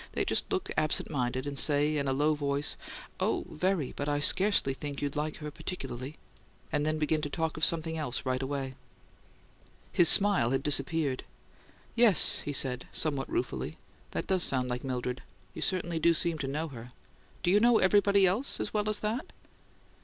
They just look absent minded and say in a low voice, 'Oh, very; but I scarcely think you'd like her particularly'; and then begin to talk of something else right away." His smile had disappeared. "Yes," he said, somewhat ruefully. "That does sound like Mildred. You certainly do seem to know her! Do you know everybody as well as that?"